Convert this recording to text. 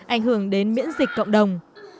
ảnh hưởng đến miễn dịch cộng đồng